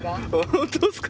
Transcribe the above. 本当ですか？